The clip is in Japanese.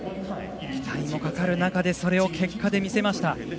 期待もかかる中でそれを結果で見せました。